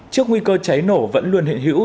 trước nguy cơ cháy nổ vẫn luôn hiện hữu